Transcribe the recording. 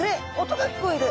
音が聞こえる！